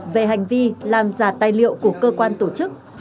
về hành vi làm giả tài liệu của cơ quan tổ chức